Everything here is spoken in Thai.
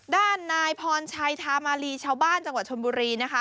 ด้านนายพรชัยธามาลีชาวบ้านจังหวัดชนบุรีนะคะ